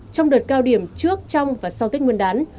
trong đợt cao điểm trước trong và sau tết nguyên đán